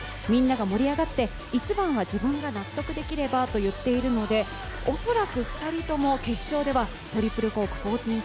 みんなが盛り上がって一番は自分が納得できればと言っているので恐らく２人とも決勝ではトリプルコーク１４４０